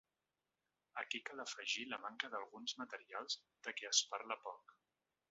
Aquí cal afegir la manca d’alguns materials de què es parla poc.